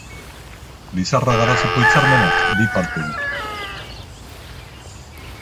Lizarra-Garaziko Hitzarmenak bi parte ditu.